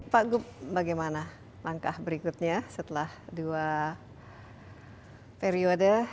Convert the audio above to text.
pak gup bagaimana langkah berikutnya setelah dua periode